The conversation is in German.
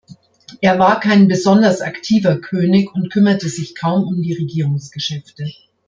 Er war kein besonders aktiver König und kümmerte sich kaum um die Regierungsgeschäfte.